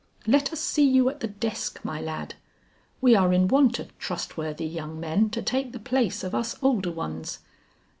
Let us see you at the desk, my lad. We are in want of trustworthy young men to take the place of us older ones."